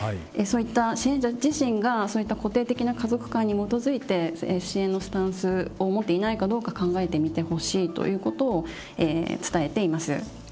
そういった支援者自身がそういった固定的な家族観に基づいて支援のスタンスを持っていないかどうか考えてみてほしいということを伝えています。